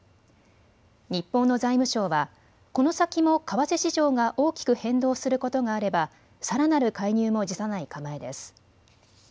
日本の財務省はこの先も為替市場が大きく変動することがあればさらなる介入も辞さない構えです。